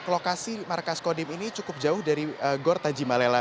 lokasi markas kodim ini cukup jauh dari gor tajimalela